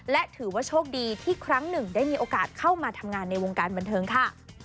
และถือว่าโชคดีที่ครั้งหนึ่งได้มีโอกาสเข้ามาทำงานในวงการบันเทิงค่ะ